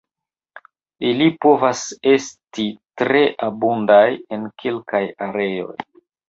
Ili povas esti tre abundaj en kelkaj areoj.